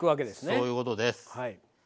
そういうことです。